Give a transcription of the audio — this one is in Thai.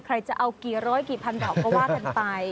ใครจะเอากี่ร้อยกี่พันดอกก็ว่ากันไป